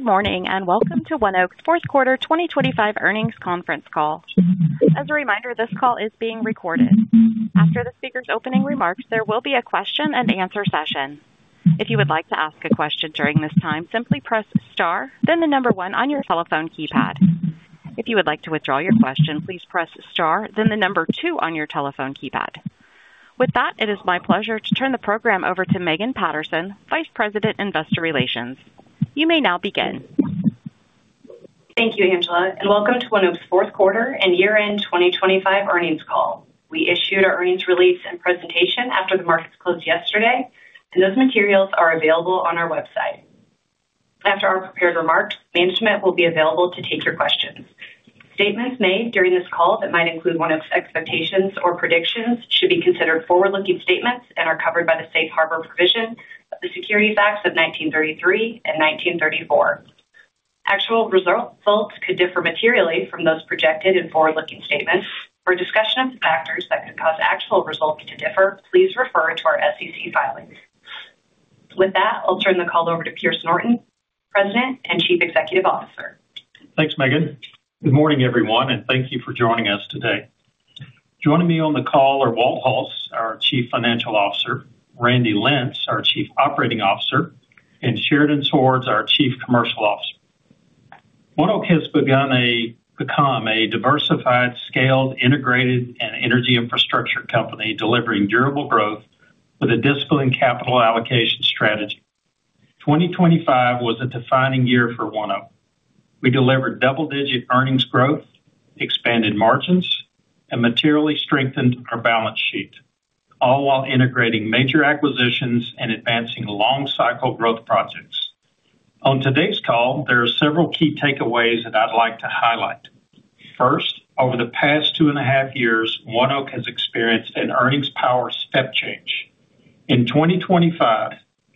Good morning, and welcome to ONEOK's fourth quarter 2025 earnings conference call. As a reminder, this call is being recorded. After the speaker's opening remarks, there will be a question and answer session. If you would like to ask a question during this time, simply press star, then the number one on your telephone keypad. If you would like to withdraw your question, please press star, then the number two on your telephone keypad. With that, it is my pleasure to turn the program over to Megan Patterson, Vice President, Investor Relations. You may now begin. Thank you, Angela, and welcome to ONEOK's fourth quarter and year-end 2025 earnings call. We issued our earnings release and presentation after the markets closed yesterday. Those materials are available on our website. After our prepared remarks, management will be available to take your questions. Statements made during this call that might include ONEOK's expectations or predictions should be considered forward-looking statements and are covered by the Safe Harbor provision of the Securities Acts of 1933 and 1934. Actual results could differ materially from those projected in forward-looking statements. For a discussion of the factors that could cause actual results to differ, please refer to our SEC filings. With that, I'll turn the call over to Pierce Norton, President and Chief Executive Officer. Thanks, Megan. Good morning, everyone, and thank you for joining us today. Joining me on the call are Walt Hulse, our Chief Financial Officer, Randy Lentz, our Chief Operating Officer, and Sheridan Swords, our Chief Commercial Officer. ONEOK has become a diversified, scaled, integrated energy infrastructure company, delivering durable growth with a disciplined capital allocation strategy. 2025 was a defining year for ONEOK. We delivered double-digit earnings growth, expanded margins, and materially strengthened our balance sheet, all while integrating major acquisitions and advancing long cycle growth projects. On today's call, there are several key takeaways that I'd like to highlight. First, over the past 2.5 years, ONEOK has experienced an earnings power step change. In 2025,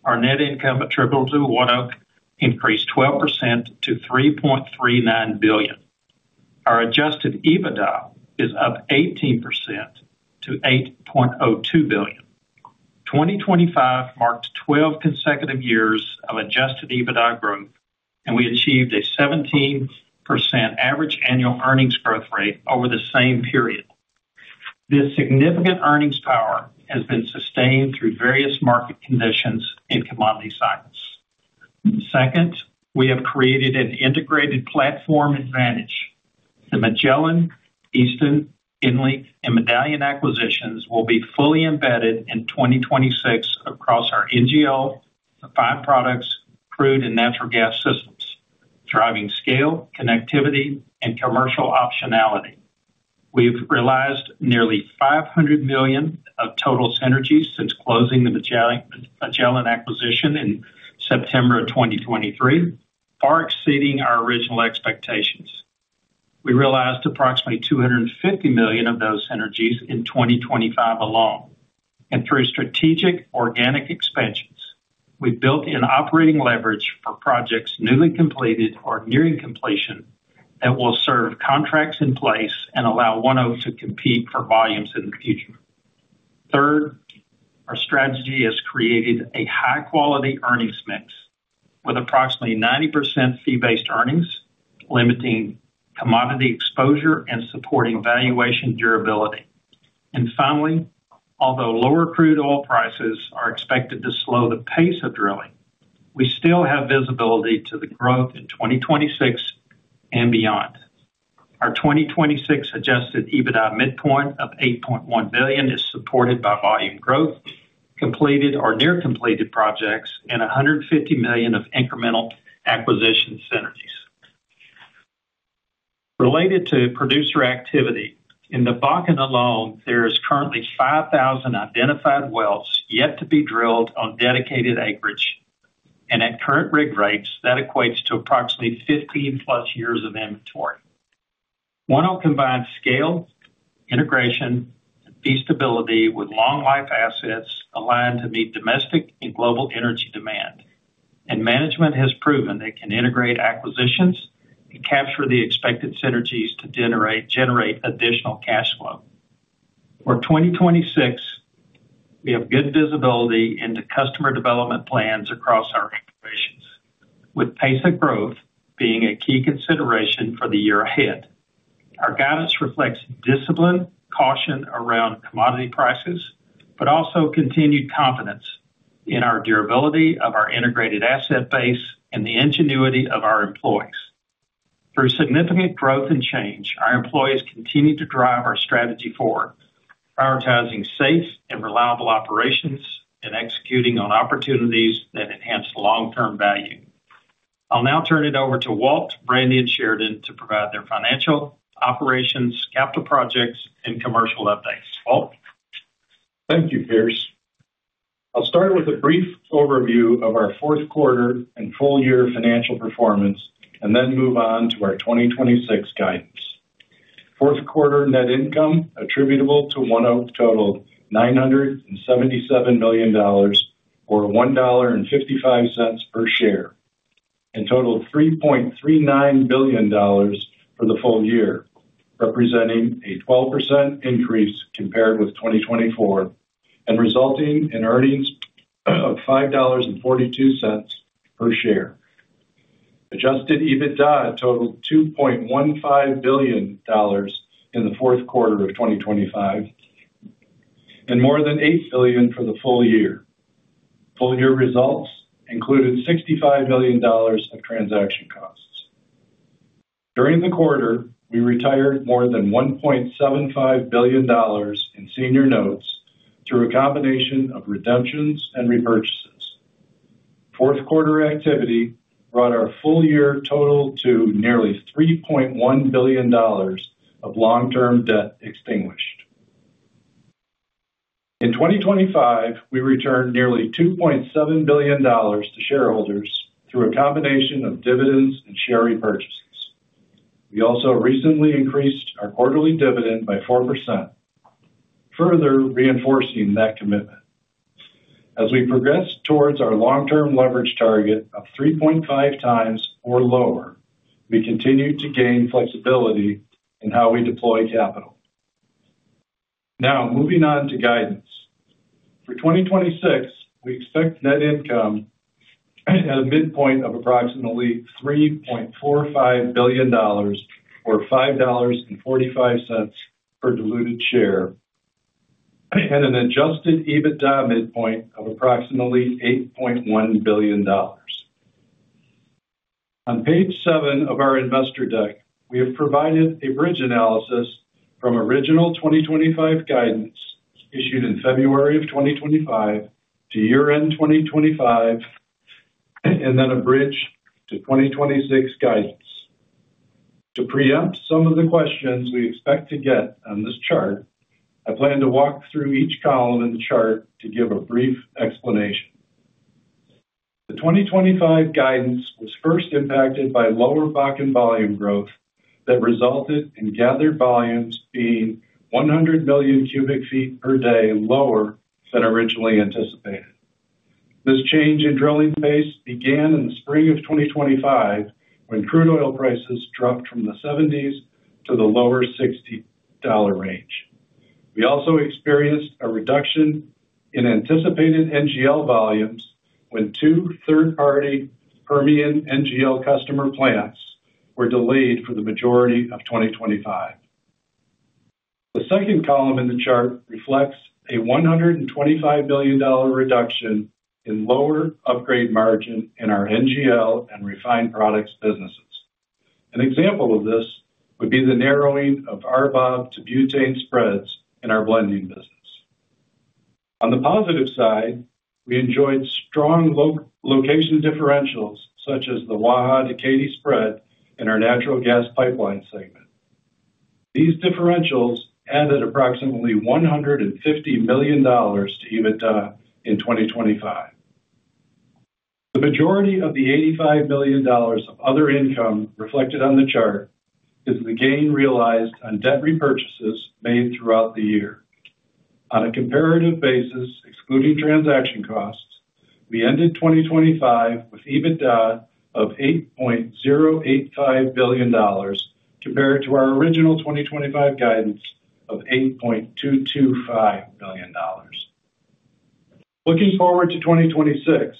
our net income attributable to ONEOK increased 12% to $3.39 billion. Our Adjusted EBITDA is up 18% to $8.02 billion. 2025 marked 12 consecutive years of Adjusted EBITDA growth. We achieved a 17% average annual earnings growth rate over the same period. This significant earnings power has been sustained through various market conditions and commodity cycles. Second, we have created an integrated platform advantage. The Magellan, Eastern, Inland, and Medallion acquisitions will be fully embedded in 2026 across our NGL, the five products, crude and natural gas systems, driving scale, connectivity, and commercial optionality. We've realized nearly $500 million of total synergies since closing the Magellan acquisition in September of 2023, far exceeding our original expectations. We realized approximately $250 million of those synergies in 2025 alone. Through strategic organic expansions, we've built in operating leverage for projects newly completed or nearing completion that will serve contracts in place and allow ONEOK to compete for volumes in the future. Third, our strategy has created a high-quality earnings mix with approximately 90% fee-based earnings, limiting commodity exposure and supporting valuation durability. Finally, although lower crude oil prices are expected to slow the pace of drilling, we still have visibility to the growth in 2026 and beyond. Our 2026 Adjusted EBITDA midpoint of $8.1 billion is supported by volume growth, completed or near completed projects, and $150 million of incremental acquisition synergies. Related to producer activity, in the Bakken alone, there is currently 5,000 identified wells yet to be drilled on dedicated acreage. At current rig rates, that equates to approximately 15+ years of inventory. ONEOK combines scale, integration, and feasibility with long life assets aligned to meet domestic and global energy demand. Management has proven they can integrate acquisitions and capture the expected synergies to generate additional cash flow. For 2026, we have good visibility into customer development plans across our acquisitions, with pace of growth being a key consideration for the year ahead. Our guidance reflects discipline, caution around commodity prices, also continued confidence in our durability of our integrated asset base and the ingenuity of our employees. Through significant growth and change, our employees continue to drive our strategy forward, prioritizing safe and reliable operations and executing on opportunities that enhance long-term value. I'll now turn it over to Walt, Randy, and Sheridan to provide their financial, operations, capital projects, and commercial updates. Walt? Thank you, Pierce. I'll start with a brief overview of our fourth quarter and full year financial performance and then move on to our 2026 guidance. Fourth quarter net income attributable to ONEOK totaled $977 million, or $1.55 per share, and totaled $3.39 billion for the full year.... representing a 12% increase compared with 2024, and resulting in earnings of $5.42 per share. Adjusted EBITDA totaled $2.15 billion in the fourth quarter of 2025, and more than $8 billion for the full year. Full year results included $65 million of transaction costs. During the quarter, we retired more than $1.75 billion in senior notes through a combination of redemptions and repurchases. Fourth quarter activity brought our full year total to nearly $3.1 billion of long-term debt extinguished. In 2025, we returned nearly $2.7 billion to shareholders through a combination of dividends and share repurchases. We also recently increased our quarterly dividend by 4%, further reinforcing that commitment. As we progress towards our long-term leverage target of 3.5x or lower, we continue to gain flexibility in how we deploy capital. Now, moving on to guidance. For 2026, we expect net income at a midpoint of approximately $3.45 billion or $5.45 per diluted share, and an Adjusted EBITDA midpoint of approximately $8.1 billion. On page 7 of our investor deck, we have provided a bridge analysis from original 2025 guidance issued in February of 2025 to year-end 2025, then a bridge to 2026 guidance. To preempt some of the questions we expect to get on this chart, I plan to walk through each column in the chart to give a brief explanation. The 2025 guidance was first impacted by lower Bakken volume growth that resulted in gathered volumes being 100 million cubic feet per day lower than originally anticipated. This change in drilling pace began in the spring of 2025, when crude oil prices dropped from the $70s to the lower $60 range. We also experienced a reduction in anticipated NGL volumes when two third-party Permian NGL customer plants were delayed for the majority of 2025. The second column in the chart reflects a $125 billion reduction in lower upgrade margin in our NGL and refined products businesses. An example of this would be the narrowing of RBOB to butane spreads in our blending business. On the positive side, we enjoyed strong location differentials such as the Waha to Katy spread in our natural gas pipeline segment. These differentials added approximately $150 million to EBITDA in 2025. The majority of the $85 million of other income reflected on the chart is the gain realized on debt repurchases made throughout the year. On a comparative basis, excluding transaction costs, we ended 2025 with EBITDA of $8.085 billion, compared to our original 2025 guidance of $8.225 billion. Looking forward to 2026,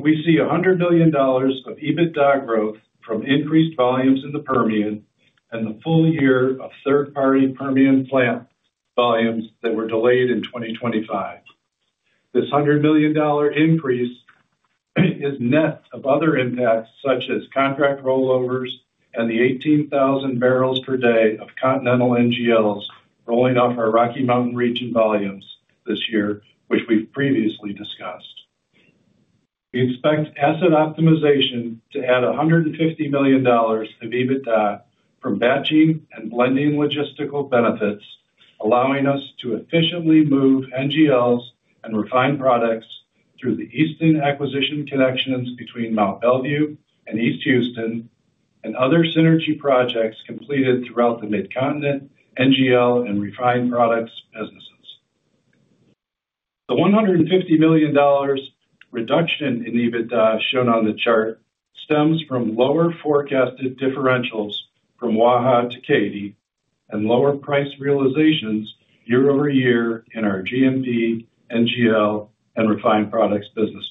we see $100 billion of EBITDA growth from increased volumes in the Permian and the full year of third-party Permian plant volumes that were delayed in 2025. This $100 million increase is net of other impacts, such as contract rollovers and the 18,000 barrels per day of Continental NGLs rolling off our Rocky Mountain region volumes this year, which we've previously discussed. We expect asset optimization to add $150 million to EBITDA from batching and blending logistical benefits, allowing us to efficiently move NGLs and refined products through the Easton acquisition connections between Mont Belvieu and East Houston and other synergy projects completed throughout the Midcontinent, NGL, and refined products businesses. The $150 million reduction in EBITDA shown on the chart stems from lower forecasted differentials from Waha to Katy and lower price realizations year-over-year in our GMP, NGL, and refined products businesses.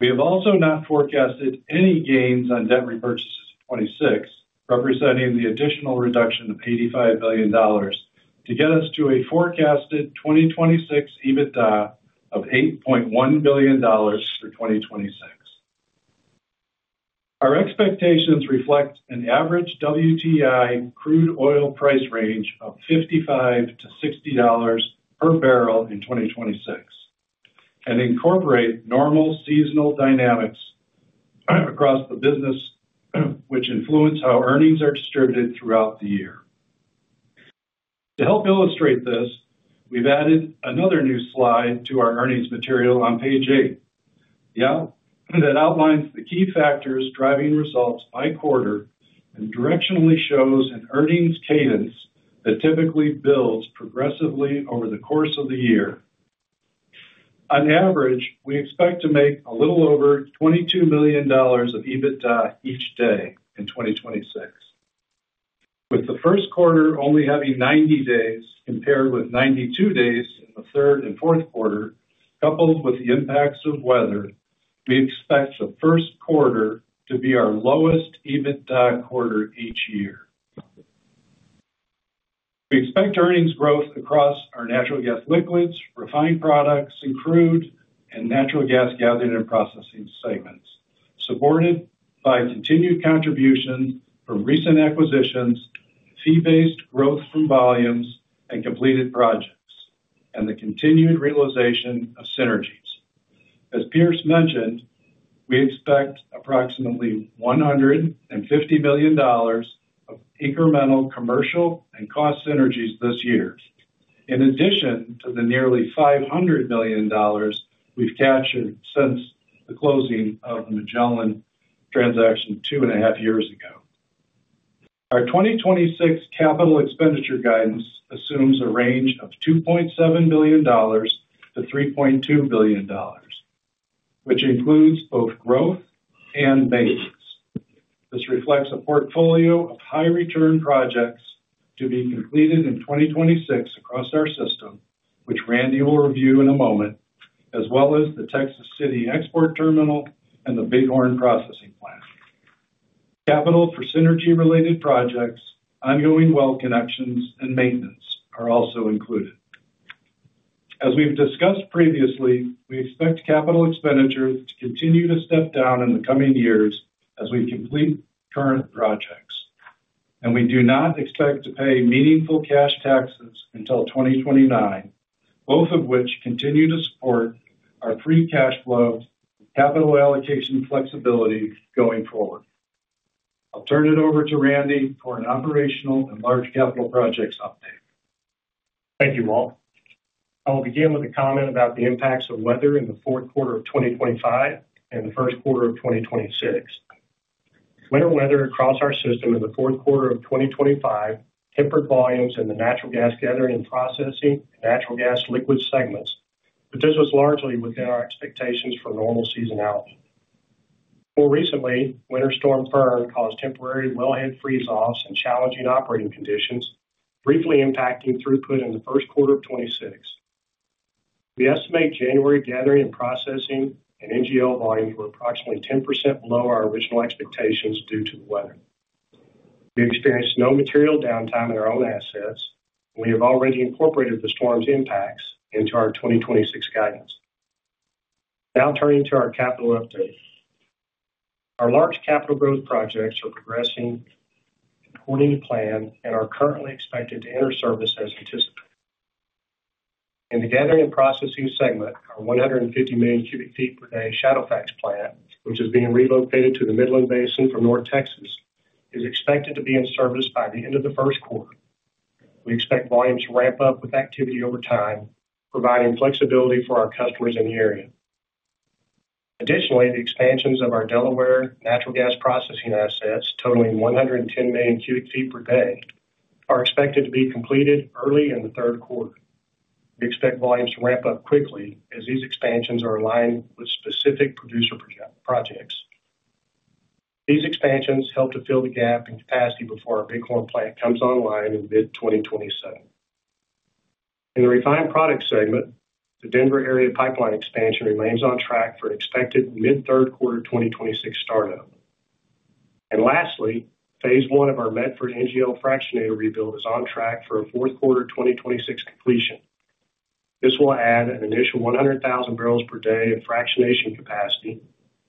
We have also not forecasted any gains on debt repurchase in 2026, representing the additional reduction of $85 billion to get us to a forecasted 2026 EBITDA of $8.1 billion for 2026. Our expectations reflect an average WTI crude oil price range of $55-$60 per barrel in 2026, and incorporate normal seasonal dynamics across the business, which influence how earnings are distributed throughout the year. To help illustrate this, we've added another new slide to our earnings material on page 8. Yeah, that outlines the key factors driving results by quarter and directionally shows an earnings cadence that typically builds progressively over the course of the year. On average, we expect to make a little over $22 million of EBITDA each day in 2026. With the first quarter only having 90 days, compared with 92 days in the third and fourth quarter, coupled with the impacts of weather, we expect the first quarter to be our lowest EBITDA quarter each year. We expect earnings growth across our natural gas liquids, refined products, and crude, and natural gas Gathering and Processing segments, supported by continued contribution from recent acquisitions, fee-based growth from volumes and completed projects, and the continued realization of synergies. As Pierce mentioned, we expect approximately $150 million of incremental commercial and cost synergies this year, in addition to the nearly $500 million we've captured since the closing of the Magellan transaction 2.5 years ago. Our 2026 capital expenditure guidance assumes a range of $2.7 billion-$3.2 billion, which includes both growth and maintenance. This reflects a portfolio of high return projects to be completed in 2026 across our system, which Randy will review in a moment, as well as the Texas City Export Terminal and the Bighorn Processing Plant. Capital for synergy-related projects, ongoing well connections, and maintenance are also included. As we've discussed previously, we expect CapEx to continue to step down in the coming years as we complete current projects, and we do not expect to pay meaningful cash taxes until 2029, both of which continue to support our free cash flow, capital allocation flexibility going forward. I'll turn it over to Randy for an operational and large capital projects update. Thank you, Walt. I will begin with a comment about the impacts of weather in the fourth quarter of 2025 and the first quarter of 2026. Winter weather across our system in the fourth quarter of 2025 hampered volumes in the natural gas Gathering and Processing natural gas liquid segments, but this was largely within our expectations for normal seasonality. More recently, Winter Storm Fern caused temporary wellhead freeze-offs and challenging operating conditions, briefly impacting throughput in the first quarter of 2026. We estimate January Gathering and Processing and NGL volumes were approximately 10% below our original expectations due to the weather. We experienced no material downtime in our own assets. We have already incorporated the storm's impacts into our 2026 guidance. Now turning to our capital update. Our large capital growth projects are progressing according to plan and are currently expected to enter service as anticipated. In the Gathering and Processing segment, our 150 million cu ft per day Shadowfax plant, which is being relocated to the Midland Basin from North Texas, is expected to be in service by the end of the first quarter. We expect volumes to ramp up with activity over time, providing flexibility for our customers in the area. Additionally, the expansions of our Delaware natural gas processing assets, totaling 110 million cu ft per day, are expected to be completed early in the third quarter. We expect volumes to ramp up quickly as these expansions are aligned with specific producer projects. These expansions help to fill the gap in capacity before our Bighorn plant comes online in mid-2027. In the refined product segment, the Denver area pipeline expansion remains on track for an expected mid-3rd quarter 2026 start-up. Lastly, phase one of our Medford NGL fractionator rebuild is on track for a 4th quarter 2026 completion. This will add an initial 100,000 bbl per day of fractionation capacity,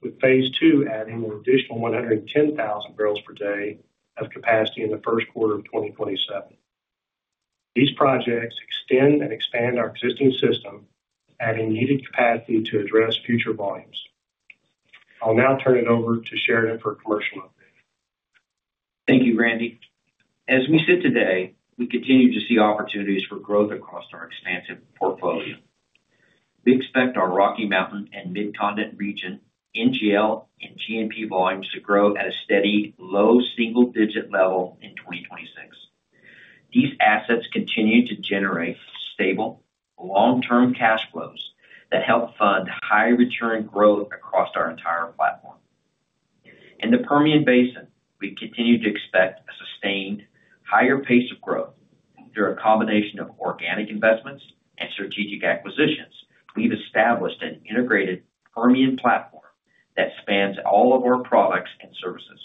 with phase two adding an additional 110,000 bbl per day of capacity in the 1st quarter of 2027. These projects extend and expand our existing system, adding needed capacity to address future volumes. I'll now turn it over to Sheridan for a commercial update. Thank you, Randy. As we sit today, we continue to see opportunities for growth across our expansive portfolio. We expect our Rocky Mountain and Mid-Continent region, NGL, and GNP volumes to grow at a steady, low single-digit level in 2026. These assets continue to generate stable, long-term cash flows that help fund high return growth across our entire platform. In the Permian Basin, we continue to expect a sustained higher pace of growth through a combination of organic investments and strategic acquisitions. We've established an integrated Permian platform that spans all of our products and services.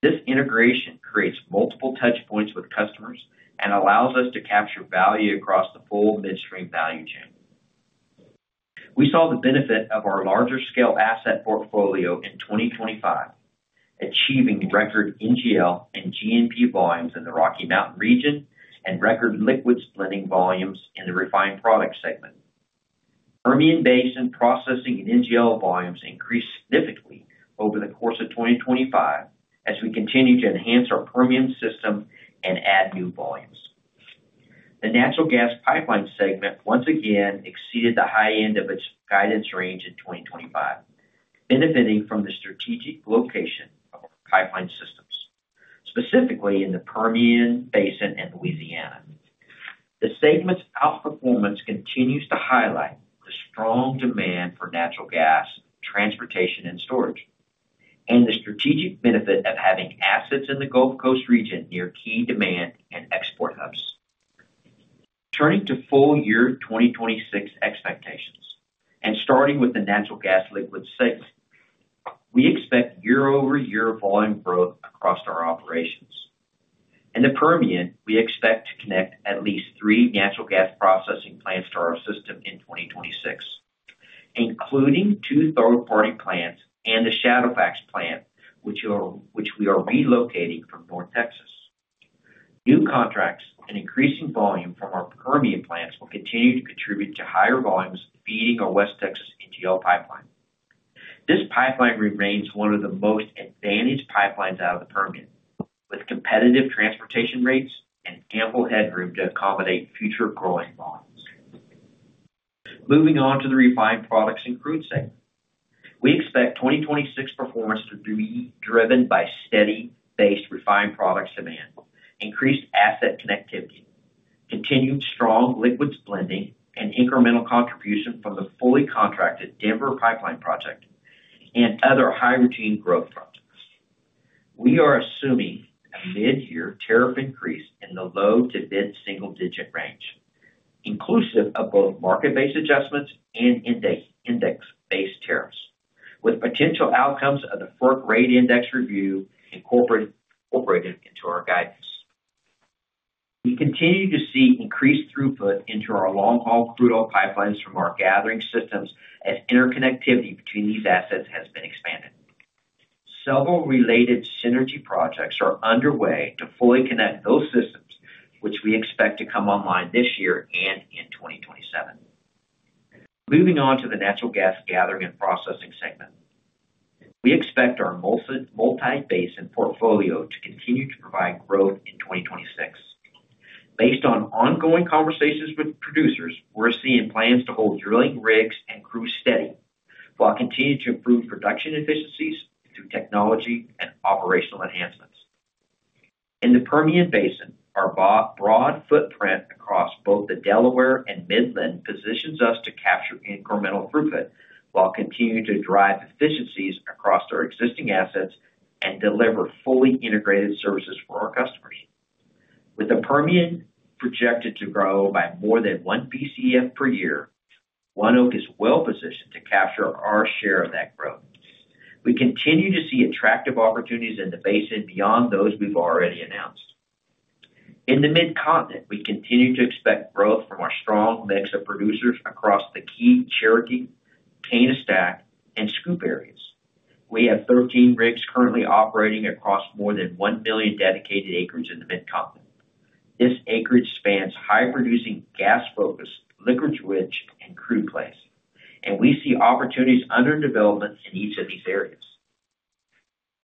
This integration creates multiple touchpoints with customers and allows us to capture value across the full midstream value chain. We saw the benefit of our larger scale asset portfolio in 2025, achieving record NGL and GNP volumes in the Rocky Mountain region and record liquid splitting volumes in the refined product segment. Permian Basin processing and NGL volumes increased significantly over the course of 2025 as we continue to enhance our Permian system and add new volumes. The natural gas pipeline segment once again exceeded the high end of its guidance range in 2025, benefiting from the strategic location of our pipeline system.... specifically in the Permian Basin and Louisiana. The segment's outperformance continues to highlight the strong demand for natural gas, transportation, and storage, and the strategic benefit of having assets in the Gulf Coast region near key demand and export hubs. Turning to full year 2026 expectations, starting with the natural gas liquids segment, we expect year-over-year volume growth across our operations. In the Permian, we expect to connect at least three natural gas processing plants to our system in 2026, including two third-party plants and the Shadowfax plant, which we are relocating from North Texas. New contracts and increasing volume from our Permian plants will continue to contribute to higher volumes feeding our West Texas NGL Pipeline. This pipeline remains one of the most advantaged pipelines out of the Permian, with competitive transportation rates and ample headroom to accommodate future growing volumes. Moving on to the refined products and crude segment. We expect 2026 performance to be driven by steady base refined product demand, increased asset connectivity, continued strong liquids blending, and incremental contribution from the fully contracted Denver Pipeline Project and other high-routine growth projects. We are assuming a mid-year tariff increase in the low to mid single-digit range, inclusive of both market-based adjustments and index-based tariffs, with potential outcomes of the fourth rate index review incorporated into our guidance. We continue to see increased throughput into our long-haul crude oil pipelines from our gathering systems as interconnectivity between these assets has been expanded. Several related synergy projects are underway to fully connect those systems, which we expect to come online this year and in 2027. Moving on to the natural gas gathering and processing segment. We expect our multi-basin portfolio to continue to provide growth in 2026. Based on ongoing conversations with producers, we're seeing plans to hold drilling rigs and crews steady, while continuing to improve production efficiencies through technology and operational enhancements. In the Permian Basin, our broad footprint across both the Delaware and Midland positions us to capture incremental throughput, while continuing to drive efficiencies across our existing assets and deliver fully integrated services for our customers. With the Permian projected to grow by more than 1 Bcf per year, ONEOK is well positioned to capture our share of that growth. We continue to see attractive opportunities in the basin beyond those we've already announced. In the Mid-Continent, we continue to expect growth from our strong mix of producers across the key Cherokee, STACK, and SCOOP areas. We have 13 rigs currently operating across more than 1 billion dedicated acres in the Mid-Continent. This acreage spans high-producing, gas-focused, liquids-rich, and crude plays, and we see opportunities under development in each of these areas.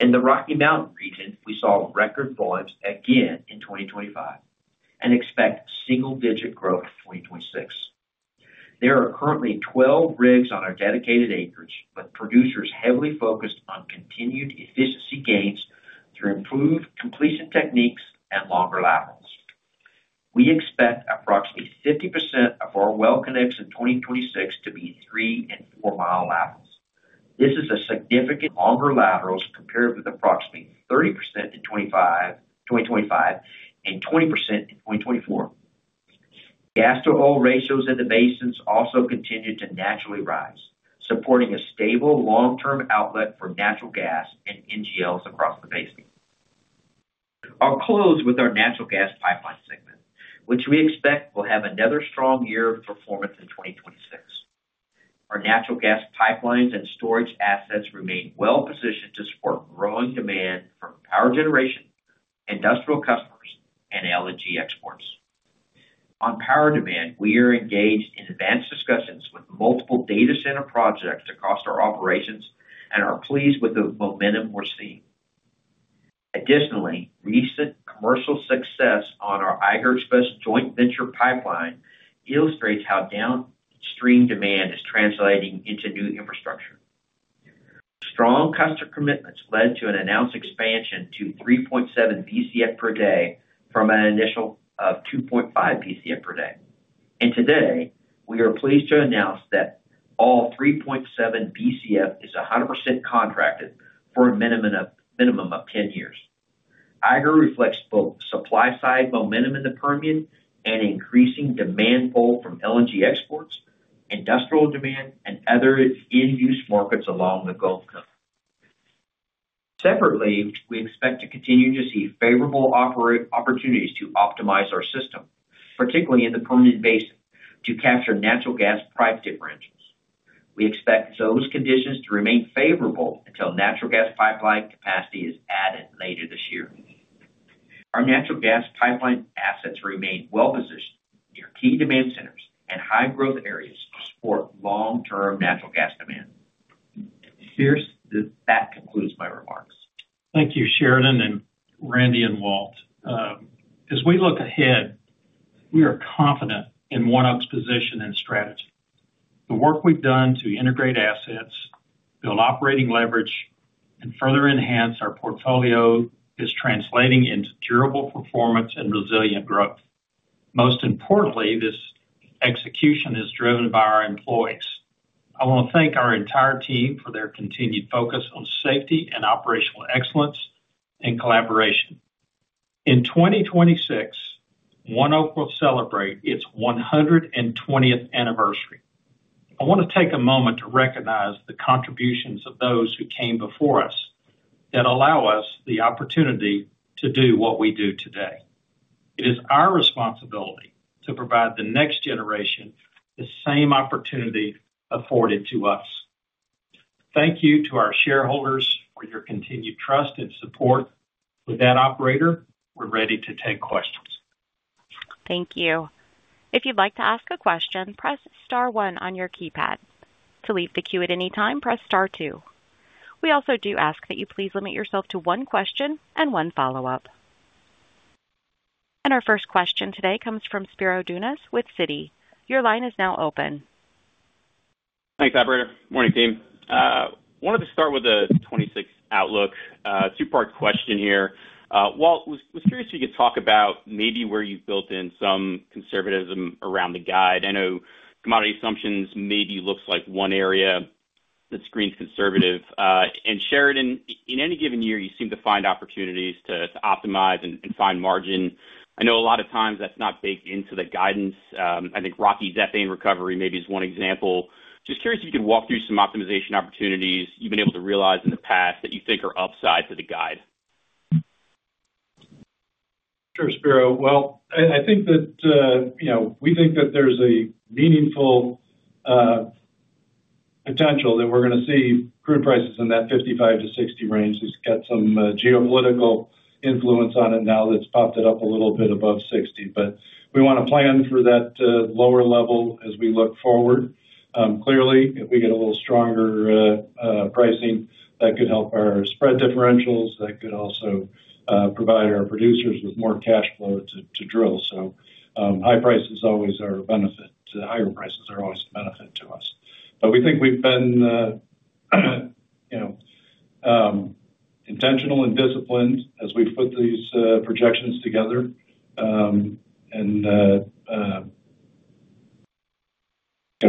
In the Rocky Mountain region, we saw record volumes again in 2025 and expect single-digit growth in 2026. There are currently 12 rigs on our dedicated acreage, with producers heavily focused on continued efficiency gains through improved completion techniques and longer laterals. We expect approximately 50% of our well connects in 2026 to be 3 and 4-mile laterals. This is a significant longer laterals compared with approximately 30% in 2025, and 20% in 2024. Gas-to-oil ratios in the basins also continue to naturally rise, supporting a stable long-term outlet for natural gas and NGLs across the basin. I'll close with our natural gas pipeline segment, which we expect will have another strong year of performance in 2026. Our natural gas pipelines and storage assets remain well positioned to support growing demand from power generation, industrial customers, and LNG exports. On power demand, we are engaged in advanced discussions with multiple data center projects across our operations and are pleased with the momentum we're seeing. Recent commercial success on our Eiger Express joint venture pipeline illustrates how downstream demand is translating into new infrastructure. Strong customer commitments led to an announced expansion to 3.7 Bcf per day from an initial of 2.5 Bcf per day. Today, we are pleased to announce that all 3.7 Bcf is 100% contracted for a minimum of 10 years. Eiger reflects both supply-side momentum in the Permian and increasing demand pull from LNG exports, industrial demand, and other end-use markets along the Gulf Coast. Separately, we expect to continue to see favorable opportunities to optimize our system, particularly in the Permian Basin, to capture natural gas price differentials. We expect those conditions to remain favorable until natural gas pipeline capacity is added later this year. Our natural gas pipeline assets remain well positioned near key demand centers and high-growth areas to support long-term natural gas demand. Pierce, that concludes my remarks. Thank you, Sheridan, and Randy, and Walt. As we look ahead, we are confident in ONEOK's position and strategy. The work we've done to integrate assets, build operating leverage, and further enhance our portfolio is translating into durable performance and resilient growth. Most importantly, this execution is driven by our employees. I want to thank our entire team for their continued focus on safety and operational excellence and collaboration. In 2026, ONEOK will celebrate its 120th anniversary. I want to take a moment to recognize the contributions of those who came before us, that allow us the opportunity to do what we do today. It is our responsibility to provide the next generation the same opportunity afforded to us. Thank you to our shareholders for your continued trust and support. With that, operator, we're ready to take questions. Thank you. If you'd like to ask a question, press star one on your keypad. To leave the queue at any time, press star two. We also do ask that you please limit yourself to one question and one follow-up. Our first question today comes from Spiro Dounis with Citi. Your line is now open. Thanks, operator. Morning, team. wanted to start with the 2026 outlook. two-part question here. Walt, was curious if you could talk about maybe where you've built in some conservatism around the guide. I know commodity assumptions maybe looks like 1 area that screens conservative. In any given year, you seem to find opportunities to optimize and find margin. I know a lot of times that's not baked into the guidance. I think Rocky ethane recovery maybe is 1 example. Just curious if you could walk through some optimization opportunities you've been able to realize in the past that you think are upside to the guide. Sure, Spiro. Well, I think that, you know, we think that there's a meaningful potential that we're gonna see crude prices in that 55 to 60 range. It's got some geopolitical influence on it now that's popped it up a little bit above 60. We wanna plan for that lower level as we look forward. Clearly, if we get a little stronger pricing, that could help our spread differentials, that could also provide our producers with more cash flow to drill. Higher prices are always a benefit to us. We think we've been, you know, intentional and disciplined as we've put these projections together.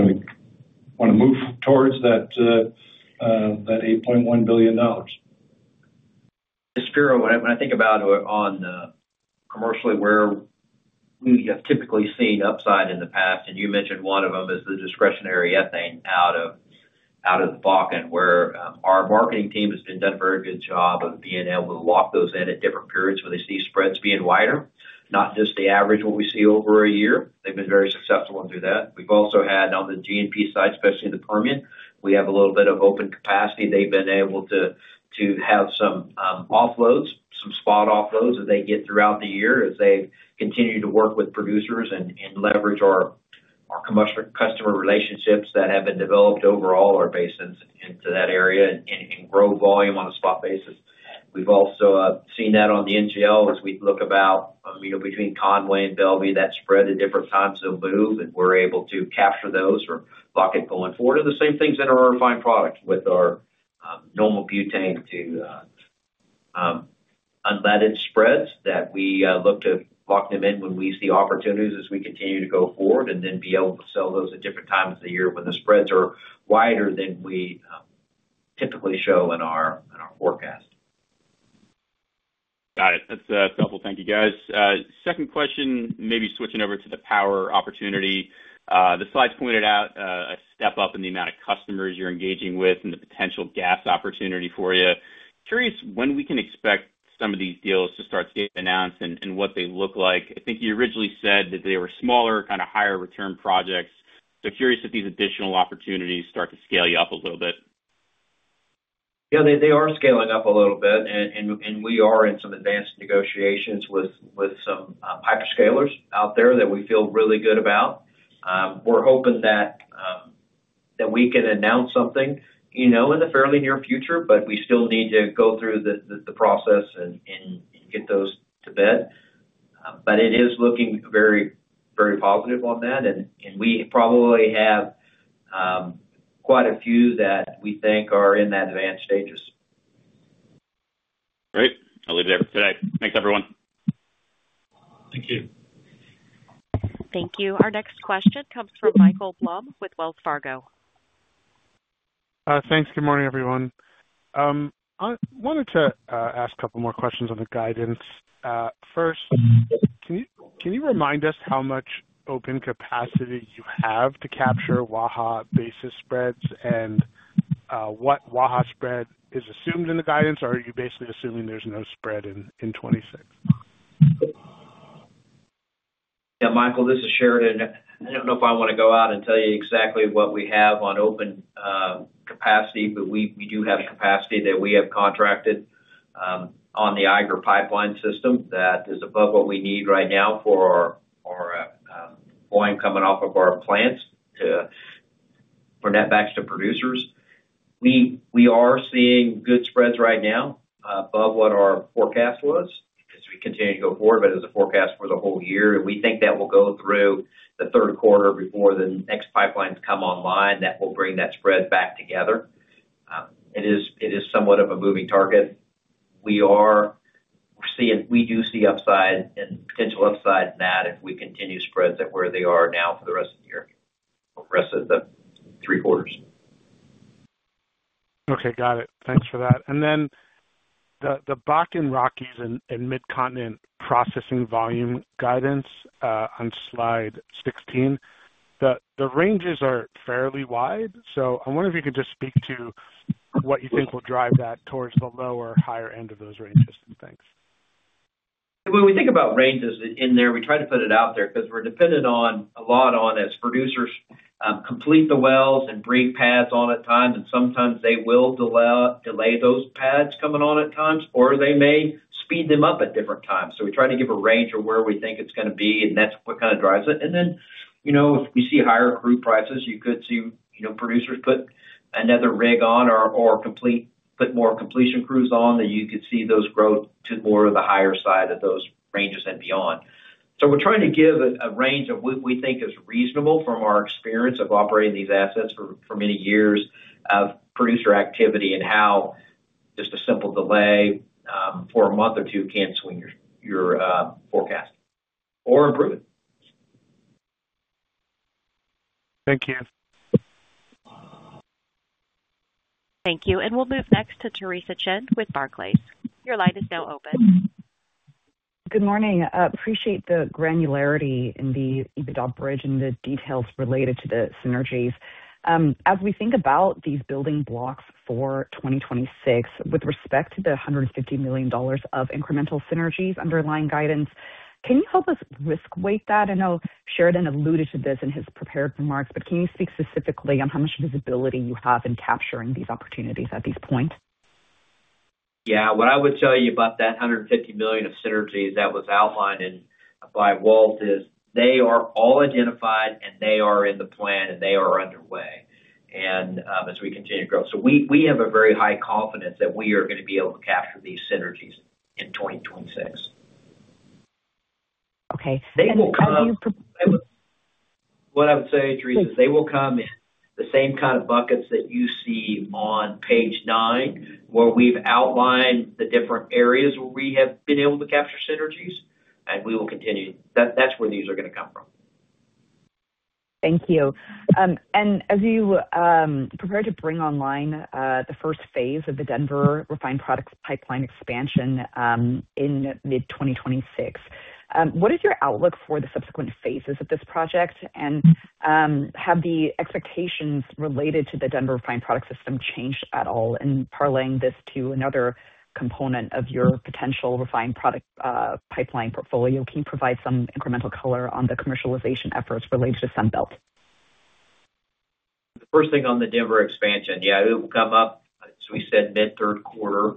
We wanna move towards that $8.1 billion. Spiro, when I think about on commercially, where we have typically seen upside in the past, and you mentioned one of them, is the discretionary ethane out of the Bakken, where our marketing team has been done a very good job of being able to lock those in at different periods when they see spreads being wider, not just the average what we see over a year. They've been very successful in doing that. We've also had on the GNP side, especially in the Permian, we have a little bit of open capacity. They've been able to have some offloads, some spot offloads that they get throughout the year as they continue to work with producers and leverage our customer relationships that have been developed over all our basins into that area and grow volume on a spot basis. We've also seen that on the NGL as we look about, you know, between Conway and Bellevue, that spread at different times will move, and we're able to capture those from Bakken going forward, and the same things in our refined products with our normal butane to unleaded spreads that we look to lock them in when we see opportunities as we continue to go forward, and then be able to sell those at different times of the year when the spreads are wider than we typically show in our, in our forecast. Got it. That's helpful. Thank you, guys. second question, maybe switching over to the power opportunity. The slides pointed out a step up in the amount of customers you're engaging with and the potential gas opportunity for you. Curious when we can expect some of these deals to start getting announced and what they look like. I think you originally said that they were smaller, kind of, higher return projects. Curious if these additional opportunities start to scale you up a little bit? Yeah, they are scaling up a little bit, and we are in some advanced negotiations with some hyperscalers out there that we feel really good about. We're hoping that we can announce something, you know, in the fairly near future, but we still need to go through the process and get those to bed. It is looking very, very positive on that, and we probably have quite a few that we think are in that advanced stages. Great. I'll leave it there for today. Thanks, everyone. Thank you. Thank you. Our next question comes from Michael Blum with Wells Fargo. Thanks. Good morning, everyone. I wanted to ask a couple more questions on the guidance. First, can you remind us how much open capacity you have to capture Waha basis spreads and what Waha spread is assumed in the guidance? Are you basically assuming there's no spread in 2026? Yeah, Michael, this is Sheridan. I don't know if I wanna go out and tell you exactly what we have on open capacity, we do have capacity that we have contracted on the Eiger pipeline system that is above what we need right now for our volume coming off of our plants to bring that back to producers. We are seeing good spreads right now above what our forecast was as we continue to go forward, as a forecast for the whole year, we think that will go through the third quarter before the next pipelines come online, that will bring that spread back together. It is somewhat of a moving target. We do see upside and potential upside in that if we continue spreads at where they are now for the rest of the year, for the rest of the three quarters. Okay, got it. Thanks for that. The Bakken Rockies and Midcontinent processing volume guidance on slide 16, the ranges are fairly wide, so I wonder if you could just speak to what you think will drive that towards the lower, higher end of those ranges? Thanks. When we think about ranges in there, we try to put it out there because we're dependent on, a lot on, as producers, complete the wells and bring pads on at times, and sometimes they will delay those pads coming on at times, or they may speed them up at different times. We try to give a range of where we think it's gonna be, and that's what kind of drives it. You know, if we see higher crude prices, you could see, you know, producers put another rig on or put more completion crews on, that you could see those growth to more of the higher side of those ranges and beyond. We're trying to give a range of what we think is reasonable from our experience of operating these assets for many years of producer activity and how just a simple delay for a month or two can swing your forecast or improve it. Thank you. Thank you. We'll move next to Theresa Chen with Barclays. Your line is now open. Good morning. Appreciate the granularity in the EBITDA bridge and the details related to the synergies. As we think about these building blocks for 2026, with respect to the $150 million of incremental synergies underlying guidance, can you help us risk weight that? I know Sheridan alluded to this in his prepared remarks, but can you speak specifically on how much visibility you have in capturing these opportunities at this point? Yeah. What I would tell you about that $150 million of synergies that was outlined by Walt is they are all identified, and they are in the plan, and they are underway, and as we continue to grow. We have a very high confidence that we are gonna be able to capture these synergies in 2026. Okay. They will come up. how do. What I would say, Theresa, is they will come in the same kind of buckets that you see on page 9, where we've outlined the different areas where we have been able to capture synergies, and we will continue. That's where these are gonna come from. Thank you. As you prepare to bring online the first phase of the Denver Refined Products pipeline expansion in mid-2026, what is your outlook for the subsequent phases of this project? Have the expectations related to the Denver Refined Products system changed at all? In parlaying this to another component of your potential refined product pipeline portfolio, can you provide some incremental color on the commercialization efforts related to Sunbelt? The first thing on the Denver expansion, yeah, it will come up, as we said, mid-third quarter.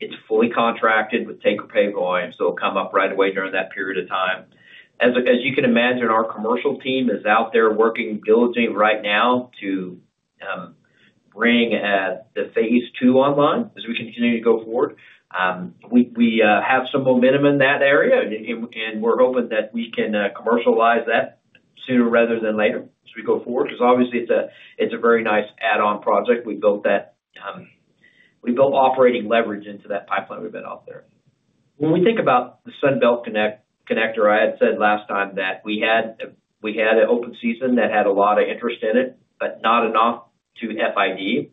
It's fully contracted with take or pay volume, it'll come up right away during that period of time. As you can imagine, our commercial team is out there working diligently right now to bring the phase II online as we continue to go forward. We have some momentum in that area, and we're hoping that we can commercialize that sooner rather than later as we go forward, because obviously it's a very nice add-on project. We built that, we built operating leverage into that pipeline we've been out there. When we think about the Sunbelt Connector, I had said last time that we had an open season that had a lot of interest in it, but not enough to FID,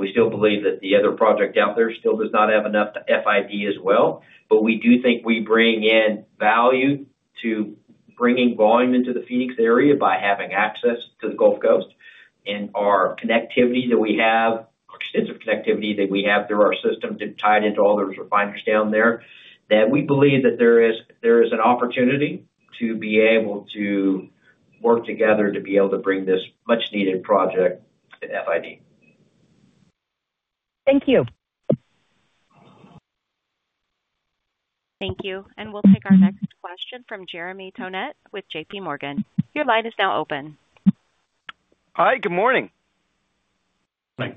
we still believe that the other project out there still does not have enough FID as well. We do think we bring in value to bringing volume into the Phoenix area by having access to the Gulf Coast and our connectivity that we have, our extensive connectivity that we have through our system to tie it into all those refineries down there, that we believe that there is an opportunity to be able to work together to be able to bring this much needed project to FID. Thank you. Thank you. We'll take our next question from Jeremy Tonet with JPMorgan. Your line is now open. Hi, good morning. Good morning. Good morning. Thank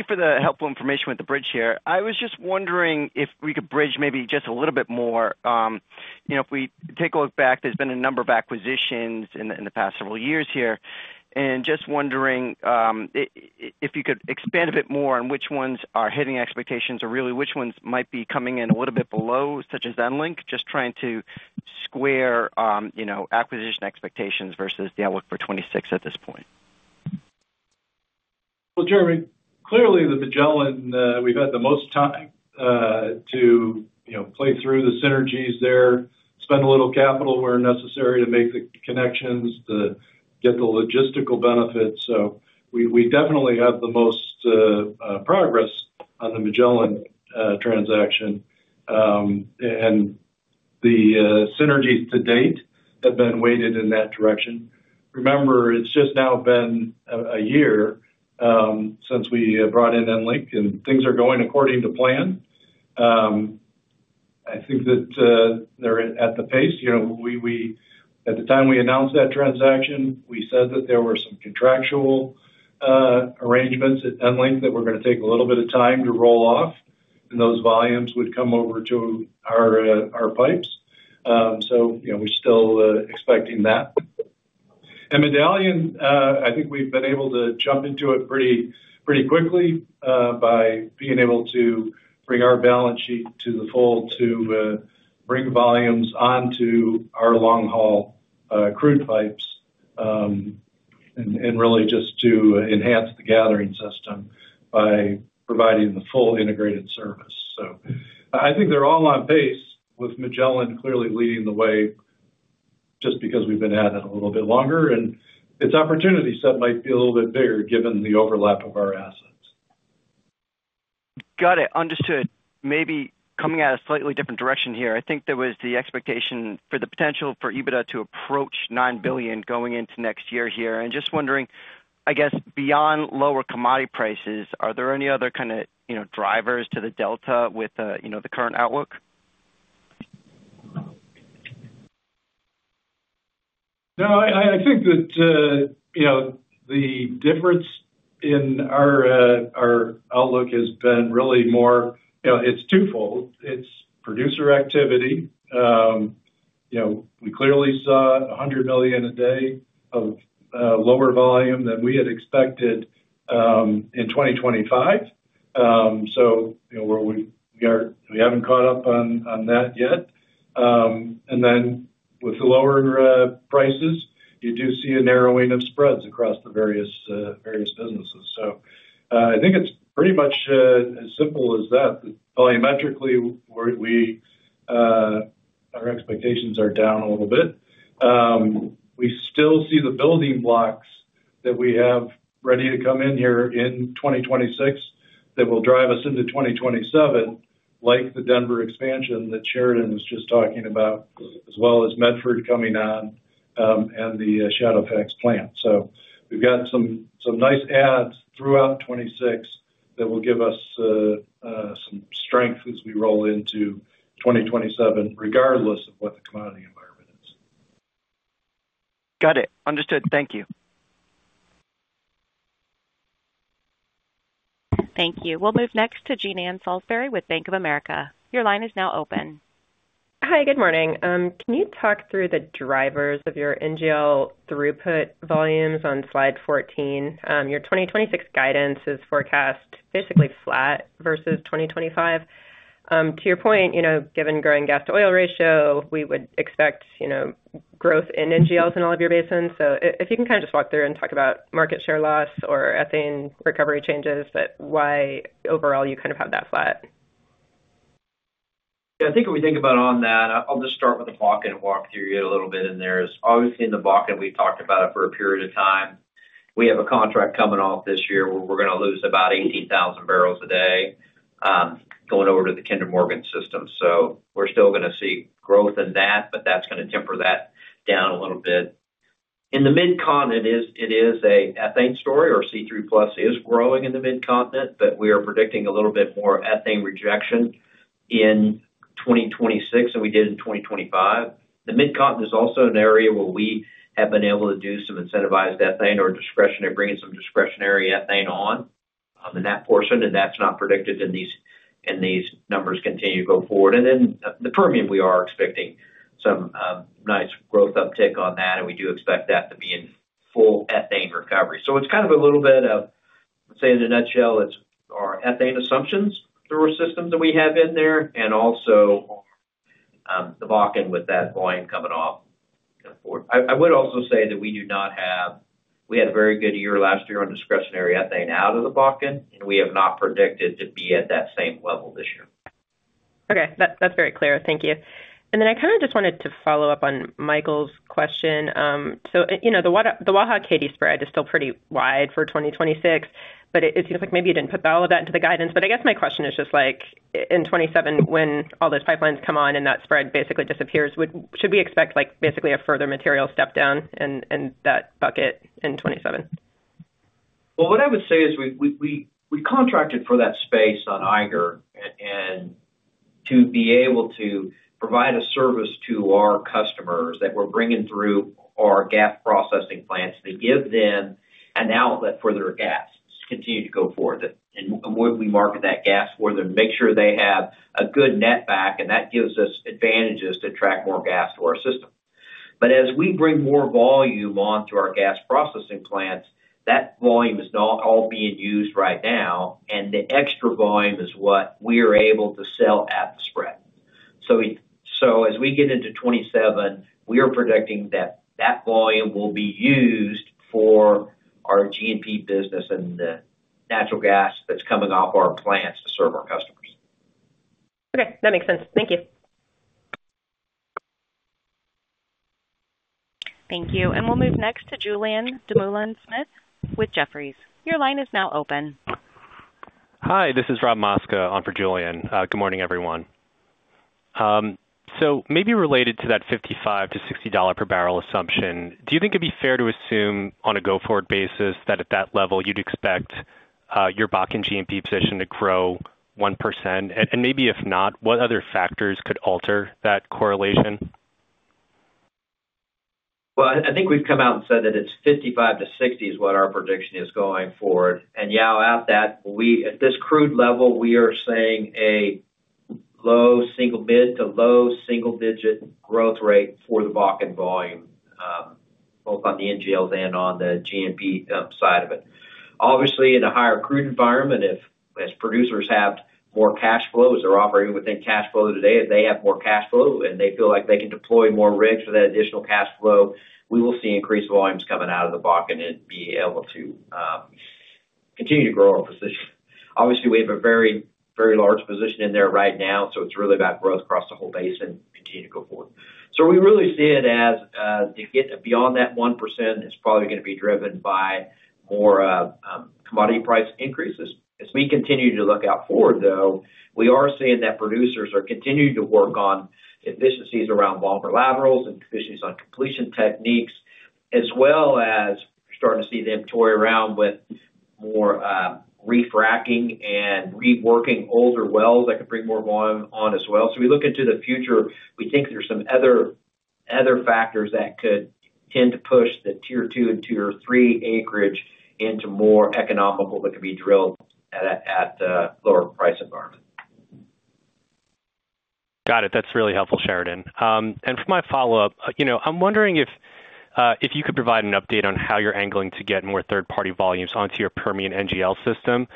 you for the helpful information with the bridge here. I was just wondering if we could bridge maybe just a little bit more. You know, if we take a look back, there's been a number of acquisitions in the, in the past several years here, and just wondering, if you could expand a bit more on which ones are hitting expectations or really which ones might be coming in a little bit below, such as EnLink? Just trying to square, you know, acquisition expectations versus the outlook for 2026 at this point. Well, Jeremy, clearly, the Magellan, we've had the most time to, you know, play through the synergies there, spend a little capital where necessary to make the connections to get the logistical benefits. We definitely have the most progress on the Magellan transaction. The synergies to date have been weighted in that direction. Remember, it's just now been a year since we brought in EnLink, and things are going according to plan. I think that they're at the pace. You know, we at the time we announced that transaction, we said that there were some contractual arrangements at EnLink that were gonna take a little bit of time to roll off, and those volumes would come over to our pipes. You know, we're still expecting that. Medallion, I think we've been able to jump into it pretty quickly by being able to bring our balance sheet to the fold to bring volumes onto our long-haul crude pipes, and really just to enhance the gathering system by providing the full integrated service. I think they're all on pace, with Magellan clearly leading the way, just because we've been at it a little bit longer, and its opportunity set might be a little bit bigger given the overlap of our assets. Got it, understood. Maybe coming at a slightly different direction here. I think there was the expectation for the potential for EBITDA to approach $9 billion going into next year here. Just wondering, I guess, beyond lower commodity prices, are there any other kind of, you know, drivers to the delta with, you know, the current outlook? No, I think that, you know, the difference in our outlook has been really, you know, it's twofold. It's producer activity. You know, we clearly saw $100 million a day of lower volume than we had expected in 2025. You know, where we haven't caught up on that yet. With the lower prices, you do see a narrowing of spreads across the various various businesses. I think it's pretty much as simple as that. Volumetrically, our expectations are down a little bit. We still see the building blocks that we have ready to come in here in 2026, that will drive us into 2027, like the Denver expansion that Sheridan was just talking about, as well as Medford coming on, and the Shadowfax plant. We've got some nice adds throughout 2026 that will give us some strength as we roll into 2027, regardless of what the commodity environment is. Got it. Understood. Thank you. Thank you. We'll move next to Jean Ann Salisbury, with Bank of America. Your line is now open. Hi, good morning. Can you talk through the drivers of your NGL throughput volumes on slide 14? Your 2026 guidance is forecast basically flat versus 2025. To your point, you know, given growing gas to oil ratio, we would expect, you know, growth in NGLs in all of your basins. If you can kind of just walk through and talk about market share loss or ethane recovery changes, but why overall you kind of have that flat? I think if we think about on that, I'll just start with the Bakken and walk through you a little bit in there. Obviously, in the Bakken, we've talked about it for a period of time. We have a contract coming off this year, where we're gonna lose about 80,000 bbl a day, going over to the Kinder Morgan system. We're still gonna see growth in that, but that's gonna temper that down a little bit. In the Mid-Continent, it is a ethane story, or C3 plus is growing in the Mid-Continent, but we are predicting a little bit more ethane rejection in 2026 than we did in 2025. The Mid-Continent is also an area where we have been able to do some incentivized ethane or discretionary, bringing some discretionary ethane on, in that portion, and that's not predicted, and these numbers continue to go forward. The Permian, we are expecting some nice growth uptick on that, and we do expect that to be in full ethane recovery. It's kind of a little bit of, let's say, in a nutshell, it's our ethane assumptions through our systems that we have in there, and also, the Bakken with that volume coming off going forward. I would also say that we had a very good year last year on discretionary ethane out of the Bakken, and we have not predicted to be at that same level this year. Okay, that's very clear. Thank you. I kind of just wanted to follow up on Michael's question. You know, the Waha to Katy spread is still pretty wide for 2026, but it seems like maybe you didn't put all of that into the guidance. My question is just like, in 2027, when all those pipelines come on and that spread basically disappears, should we expect, like, basically a further material step down in that bucket in 2027? What I would say is we contracted for that space on Eiger and to be able to provide a service to our customers that we're bringing through our gas processing plants to give them an outlet for their gas to continue to go forward, and where we market that gas for them, make sure they have a good net back, and that gives us advantages to attract more gas to our system. As we bring more volume onto our gas processing plants, that volume is not all being used right now, and the extra volume is what we are able to sell at the spread. As we get into 2027, we are predicting that that volume will be used for our GNP business and the natural gas that's coming off our plants to serve our customers. Okay, that makes sense. Thank you. Thank you. We'll move next to Julien Dumoulin-Smith with Jefferies. Your line is now open. Hi, this is Robert Mosca on for Julian. Good morning, everyone. Maybe related to that $55-$60 per bbl assumption, do you think it'd be fair to assume on a go-forward basis that at that level you'd expect.. your Bakken GNP position to grow 1%? Maybe if not, what other factors could alter that correlation? Well, I think we've come out and said that it's $55-$60 is what our prediction is going forward. Yeah, at that, at this crude level, we are saying a low single digit to low single digit growth rate for the Bakken volume, both on the NGL then on the GNP side of it. Obviously, in a higher crude environment, if as producers have more cash flows, they're operating within cash flow today, they have more cash flow, and they feel like they can deploy more rigs for that additional cash flow, we will see increased volumes coming out of the Bakken and be able to continue to grow our position. Obviously, we have a very large position in there right now, so it's really about growth across the whole basin, continue to go forward. We really see it as to get beyond that 1% is probably gonna be driven by more commodity price increases. We continue to look out forward, though, we are seeing that producers are continuing to work on efficiencies around bomber laterals and efficiencies on completion techniques, as well as starting to see the inventory around with more refracking and reworking older wells that could bring more volume on as well. We look into the future, we think there's some other factors that could tend to push the Tier 2 and Tier 3 acreage into more economical, that could be drilled at a lower price environment. Got it. That's really helpful, Sheridan. For my follow-up, you know, I'm wondering if you could provide an update on how you're angling to get more third-party volumes onto your Permian NGL system.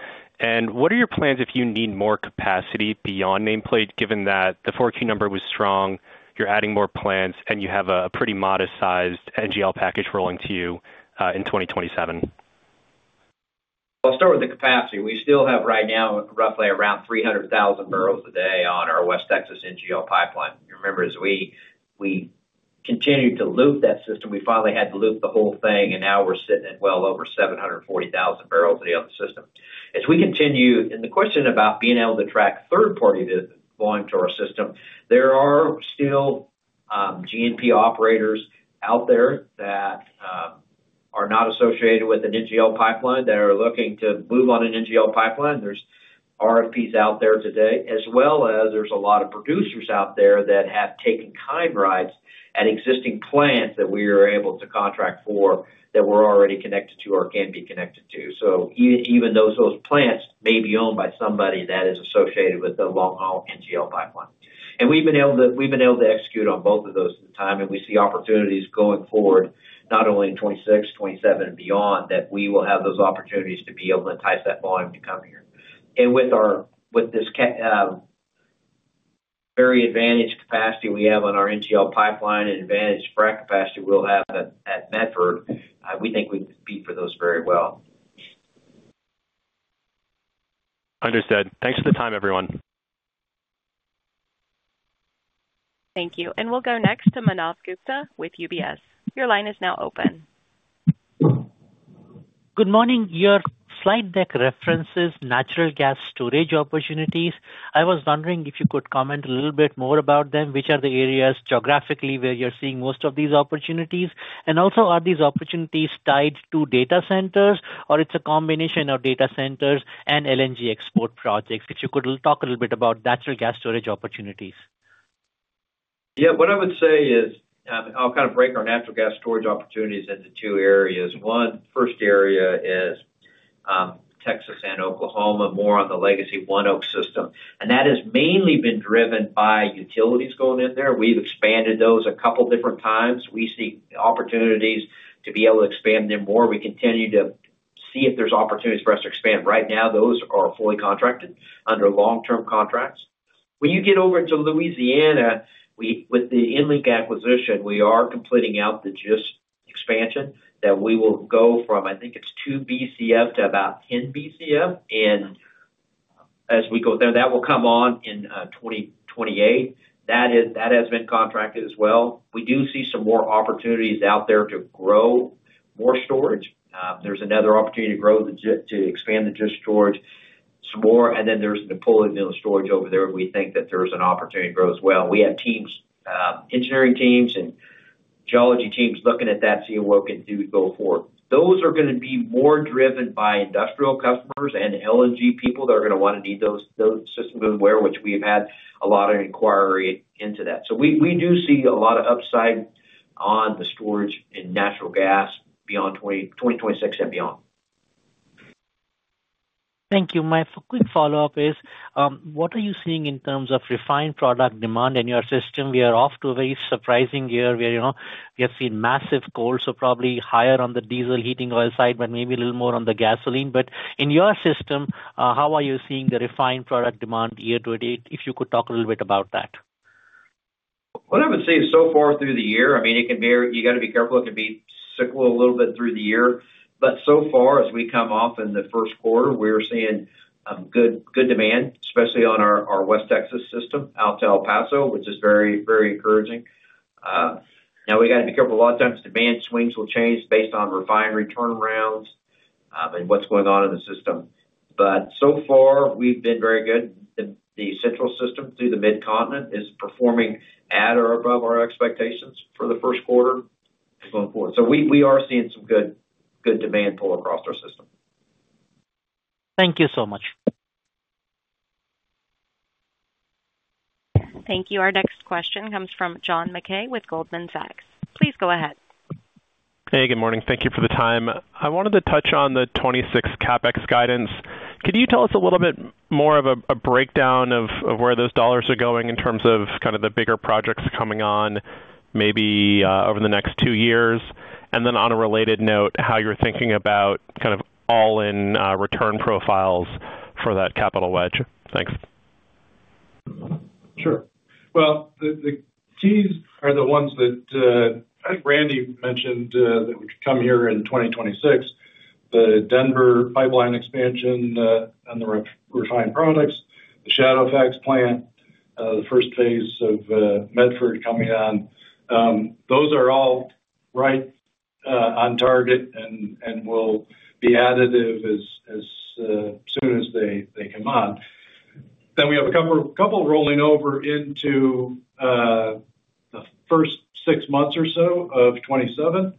What are your plans if you need more capacity beyond nameplate, given that the four key number was strong, you're adding more plants, and you have a pretty modest sized NGL package rolling to you in 2027? I'll start with the capacity. We still have, right now, roughly around 300,000 bbl a day on our West Texas NGL Pipeline. You remember, as we continued to loop that system, we finally had to loop the whole thing, and now we're sitting at well over 740,000 bbl a day on the system. As we continue, the question about being able to track third party to volume to our system, there are still GNP operators out there that are not associated with an NGL pipeline, that are looking to move on an NGL pipeline. There's RFPs out there today, as well as there's a lot of producers out there that have taken kind rides at existing plants that we are able to contract for, that we're already connected to or can be connected to. Even those plants may be owned by somebody that is associated with the long-haul NGL pipeline. We've been able to execute on both of those at the time, and we see opportunities going forward, not only in 2026, 2027 and beyond, that we will have those opportunities to be able to entice that volume to come here. With this very advantaged capacity we have on our NGL pipeline and advantage frack capacity we'll have at Medford, we think we compete for those very well. Understood. Thanks for the time, everyone. Thank you. We'll go next to Manav Gupta with UBS. Your line is now open. Good morning. Your slide deck references natural gas storage opportunities. I was wondering if you could comment a little bit more about them. Which are the areas geographically where you're seeing most of these opportunities? Also, are these opportunities tied to data centers, or it's a combination of data centers and LNG export projects? If you could talk a little bit about natural gas storage opportunities. Yeah, what I would say is, I'll kind of break our natural gas storage opportunities into two areas. One, first area is, Texas and Oklahoma, more on the Legacy ONEOK system. That has mainly been driven by utilities going in there. We've expanded those a couple different times. We see opportunities to be able to expand them more. We continue to see if there's opportunities for us to expand. Right now, those are fully contracted under long-term contracts. When you get over to Louisiana, with the EnLink acquisition, we are completing out the GIST expansion that we will go from, I think it's 2 Bcf to about 10 Bcf. As we go there, that will come on in, 2028. That has been contracted as well. We do see some more opportunities out there to grow more storage. There's another opportunity to expand the GIST storage some more, and then there's the pulling mill storage over there. We think that there's an opportunity to grow as well. We have teams, engineering teams and geology teams looking at that, seeing what we can do to go forward. Those are gonna be more driven by industrial customers and LNG people that are gonna wanna need those systems where, which we have had a lot of inquiry into that. We do see a lot of upside on the storage and natural gas beyond 2026 and beyond. Thank you. My quick follow-up is, what are you seeing in terms of refined product demand in your system? We are off to a very surprising year where, you know, we have seen massive cold, so probably higher on the diesel heating oil side, but maybe a little more on the gasoline. But in your system, how are you seeing the refined product demand year to date? If you could talk a little bit about that. What I would say is, so far through the year, I mean, you've got to be careful, it can be cyclical a little bit through the year. So far, as we come off in the first quarter, we're seeing good demand, especially on our West Texas system out to El Paso, which is very, very encouraging. Now we've got to be careful. A lot of times, demand swings will change based on refinery turnarounds and what's going on in the system. So far, we've been very good. The central system through the Mid-Continent is performing at or above our expectations for the first quarter as going forward. We are seeing some good demand pull across our system. Thank you so much. Thank you. Our next question comes from John Mackay with Goldman Sachs. Please go ahead. Hey, good morning. Thank you for the time. I wanted to touch on the 2026 CapEx guidance. Could you tell us a little bit more of a breakdown of where those dollars are going in terms of kind of the bigger projects coming on, maybe over the next 2 years? On a related note, how you're thinking about kind of all-in return profiles for that capital wedge? Thanks. Sure. Well, the keys are the ones that I think Randy mentioned that would come here in 2026. The Denver pipeline expansion and the refined products, the Shadowfax plant, the first phase of Medford coming on. Those are all right on target and will be additive as soon as they come on. We have a couple rolling over into the first six months or so of 2027.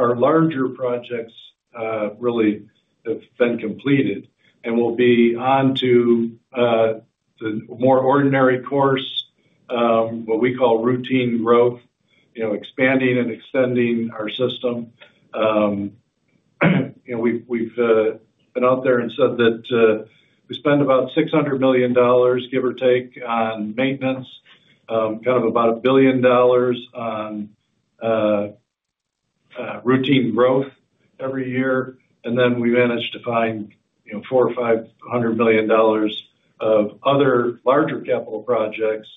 Our larger projects really have been completed and will be on to the more ordinary course, what we call routine growth, you know, expanding and extending our system. you know, we've been out there and said that we spend about $600 million, give or take, on maintenance, kind of about $1 billion on routine growth every year. We manage to find, you know, $400 million-$500 million of other larger capital projects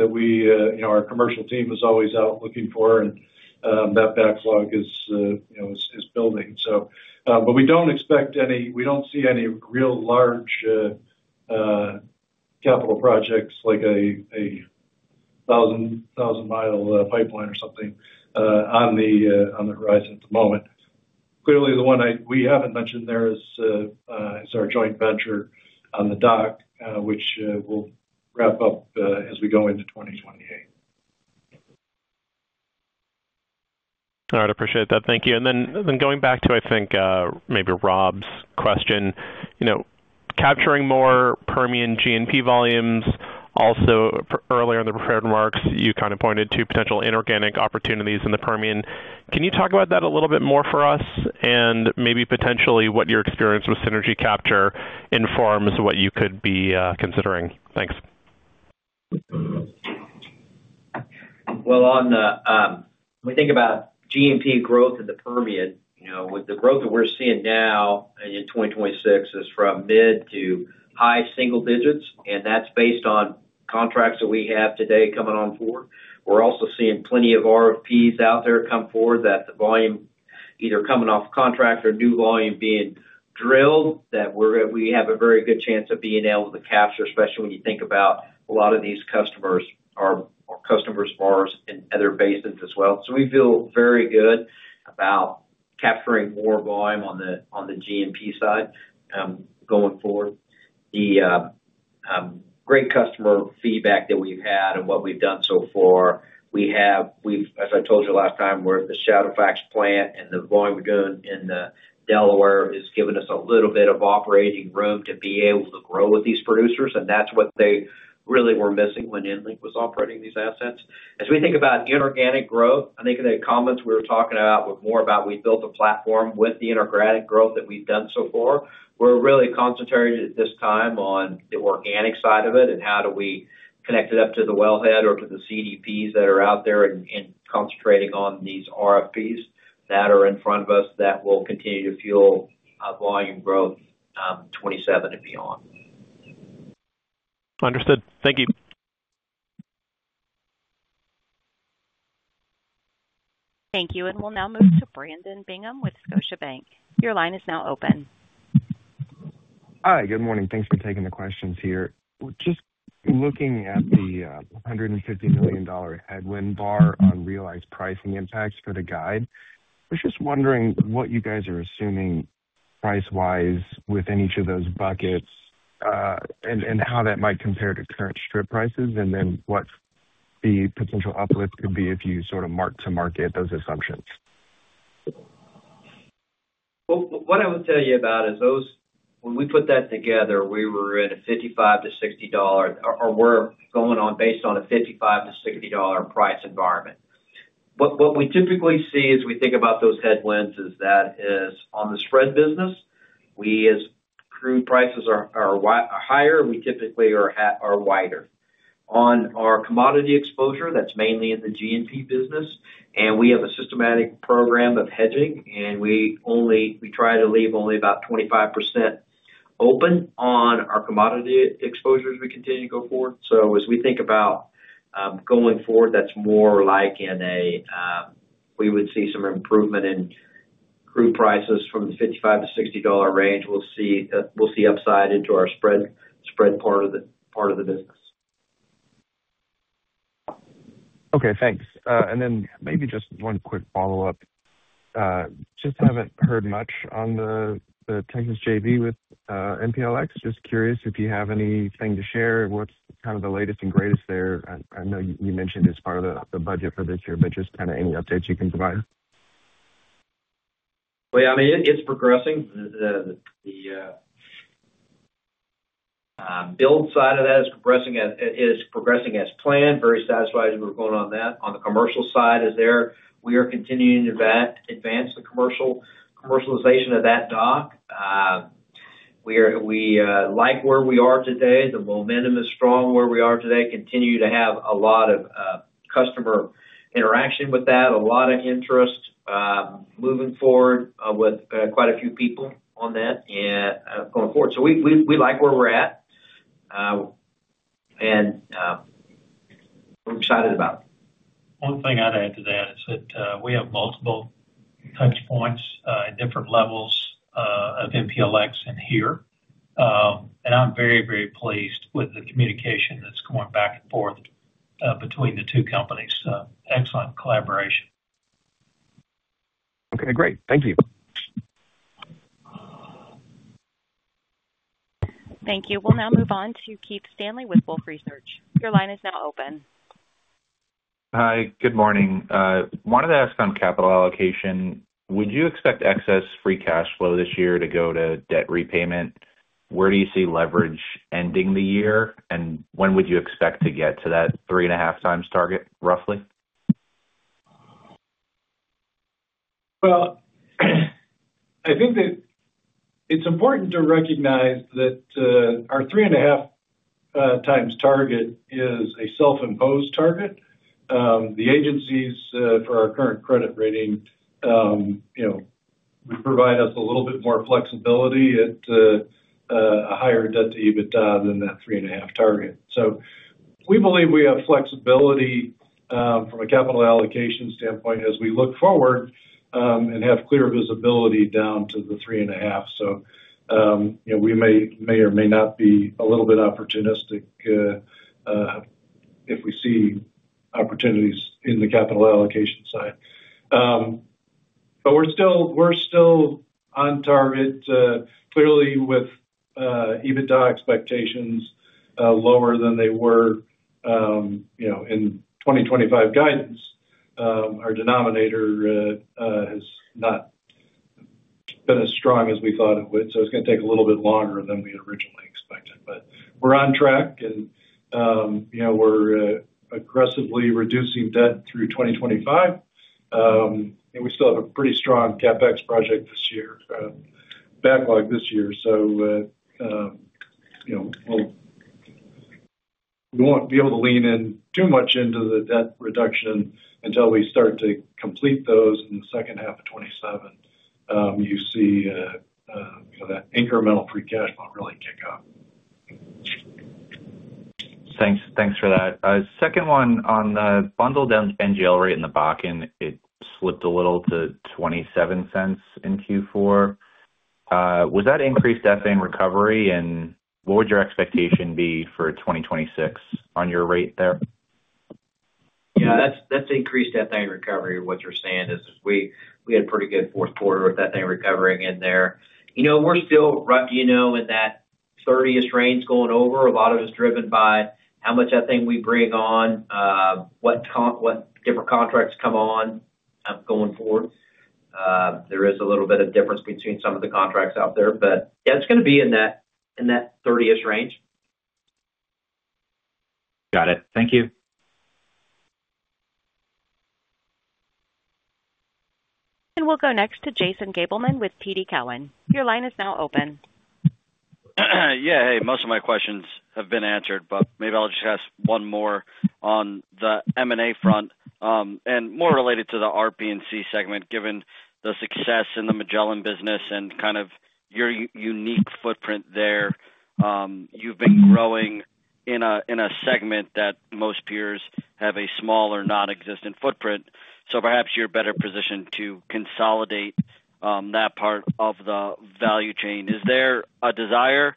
that we, you know, our commercial team is always out looking for, and that backlog is, you know, is building. We don't see any real large capital projects like a 1,000-mile pipeline or something on the horizon at the moment. Clearly, the one we haven't mentioned there is our joint venture on the dock, which we'll wrap up as we go into 2028. All right, appreciate that. Thank you. Then, then going back to, I think, maybe Rob's question, you know, capturing more Permian GNP volumes. Also, earlier in the prepared remarks, you kind of pointed to potential inorganic opportunities in the Permian. Can you talk about that a little bit more for us? Maybe potentially what your experience with synergy capture informs what you could be considering? Thanks. On the, when we think about GNP growth in the Permian, you know, with the growth that we're seeing now in 2026 is from mid- to high single digits, that's based on contracts that we have today coming on board. We're also seeing plenty of RFPs out there come forward, that the volume either coming off contract or new volume being drilled, that we have a very good chance of being able to capture, especially when you think about a lot of these customers are customers of ours in other basins as well. We feel very good about capturing more volume on the GNP side going forward. The great customer feedback that we've had and what we've done so far, we've as I told you last time, where the Shadowfax plant and the volume we go in the Delaware, has given us a little bit of operating room to be able to grow with these producers, and that's what they really were missing when EnLink was operating these assets. As we think about inorganic growth, I think in the comments we were talking about, was more about we built a platform with the inorganic growth that we've done so far. We're really concentrated at this time on the organic side of it, and how do we connect it up to the wellhead or to the CDPs that are out there, and concentrating on these RFPs that are in front of us, that will continue to fuel volume growth, 27 and beyond. Understood. Thank you. Thank you, and we'll now move to Brandon Bingham with Scotiabank. Your line is now open. Hi, good morning. Thanks for taking the questions here. Just looking at the $150 million headwind bar on realized pricing impacts for the guide, I was just wondering what you guys are assuming price-wise within each of those buckets, and how that might compare to current strip prices, and then what the potential uplift could be if you sort of mark to market those assumptions? What I would tell you about is when we put that together, we were in a $55-$60, or we're going on based on a $55-$60 price environment. What we typically see as we think about those headwinds is on the spread business, we as crude prices are higher, we typically are wider. On our commodity exposure, that's mainly in the GNP business, we have a systematic program of hedging, we try to leave only about 25% open on our commodity exposures as we continue to go forward. As we think about going forward, that's more like in a, we would see some improvement in crude prices from the $55-$60 range. We'll see upside into our spread part of the business. Okay, thanks. Then maybe just one quick follow-up. Just haven't heard much on the Texas JV with MPLX. Just curious if you have anything to share, what's kind of the latest and greatest there? I know you mentioned it's part of the budget for this year, but just kind of any updates you can provide. Well, I mean, it's progressing. The build side of that is progressing as planned. Very satisfied as we're going on that. On the commercial side is there, we are continuing to advance the commercialization of that dock. We like where we are today. The momentum is strong where we are today. Continue to have a lot of customer interaction with that. A lot of interest moving forward with quite a few people on that and going forward. We like where we're at and we're excited about it. One thing I'd add to that is that, we have multiple touchpoints, at different levels, of MPLX in here. I'm very, very pleased with the communication that's going back and forth, between the two companies. Excellent collaboration. Okay, great. Thank you. Thank you. We'll now move on to Keith Stanley with Wolfe Research. Your line is now open. Hi, good morning. wanted to ask on capital allocation, would you expect excess free cash flow this year to go to debt repayment? Where do you see leverage ending the year, and when would you expect to get to that three and a half times target, roughly? Well, I think that it's important to recognize that, our 3.5x target is a self-imposed target. The agencies, for our current credit rating, you know, provide us a little bit more flexibility at a higher debt to EBITDA than that 3.5x target. We believe we have flexibility, from a capital allocation standpoint as we look forward, and have clear visibility down to the 3.5x. You know, we may or may not be a little bit opportunistic, if we see opportunities in the capital allocation side. We're still on target, clearly with EBITDA expectations, lower than they were, you know, in 2025 guidance. Our denominator has not been as strong as we thought it would, it's gonna take a little bit longer than we had originally expected. We're on track, and, you know, we're aggressively reducing debt through 2025. We still have a pretty strong CapEx project this year, backlog this year. You know, we won't be able to lean in too much into the debt reduction until we start to complete those in the second half of 2027. You see that incremental free cash flow really kick up. Thanks. Thanks for that. Second one on the bundled down NGL rate in the Bakken, it slipped a little to $0.27 in Q4. Was that increased ethane recovery, and what would your expectation be for 2026 on your rate there? That's increased ethane recovery. What you're saying is we had a pretty good fourth quarter with ethane recovering in there. You know, we're still you know, in that 30-ish range going over, a lot of it's driven by how much ethane we bring on, what different contracts come on, going forward. There is a little bit of difference between some of the contracts out there, it's gonna be in that 30-ish range. Got it. Thank you. We'll go next to Jason Gabelman with TD Cowen. Your line is now open. Hey, most of my questions have been answered, but maybe I'll just ask one more on the M&A front, and more related to the RP&C segment, given the success in the Magellan business and kind of your unique footprint there. You've been growing in a segment that most peers have a small or nonexistent footprint, so perhaps you're better positioned to consolidate that part of the value chain. Is there a desire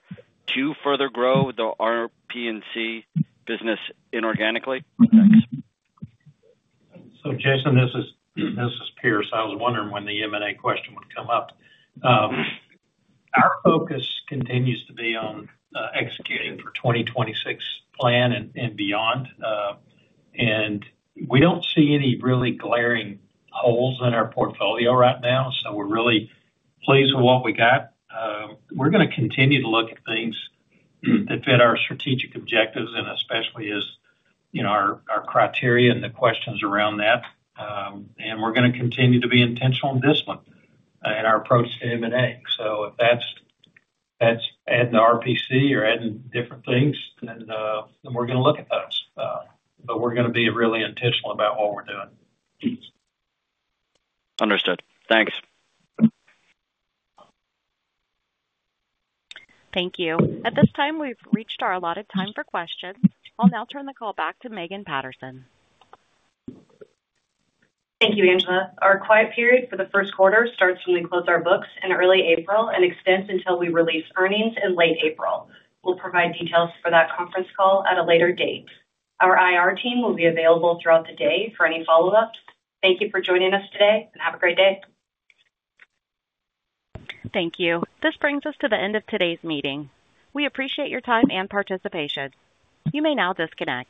to further grow the RP&C business inorganically? Jason, this is Pierce. I was wondering when the M&A question would come up. Our focus continues to be on executing for 2026 plan and beyond. We don't see any really glaring holes in our portfolio right now, so we're really pleased with what we got. We're gonna continue to look at things that fit our strategic objectives and especially as, you know, our criteria and the questions around that. We're gonna continue to be intentional and disciplined in our approach to M&A. If that's adding RP&C or adding different things, then we're gonna look at those. We're gonna be really intentional about what we're doing. Understood. Thanks. Thank you. At this time, we've reached our allotted time for questions. I'll now turn the call back to Megan Patterson. Thank you, Angela. Our quiet period for the first quarter starts when we close our books in early April and extends until we release earnings in late April. We'll provide details for that conference call at a later date. Our IR team will be available throughout the day for any follow-ups. Thank you for joining us today, and have a great day. Thank you. This brings us to the end of today's meeting. We appreciate your time and participation. You may now disconnect.